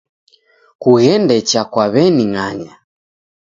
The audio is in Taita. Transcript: Kughende cha kwa w'eni ng'anya